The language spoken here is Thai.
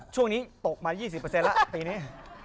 ช่วงนี้ตกมา๒๐แล้วปีนี้